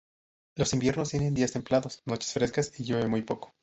Los inviernos tienen días templados, noches frescas y llueve muy poco.